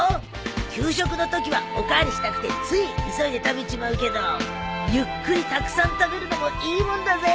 給食のときはお代わりしたくてつい急いで食べちまうけどゆっくりたくさん食べるのもいいもんだぜ。